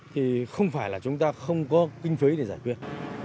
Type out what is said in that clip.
thì không phải là chúng ta không có kinh phí để giải quyết